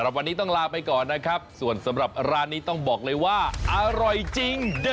โปรดติดตามตอนต่อไป